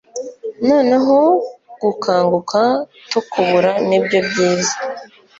noneho gukanguka tukubura nibyo byiza